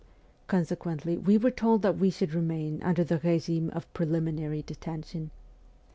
Consequently, we were told that we should remain under the regime of preliminary detention.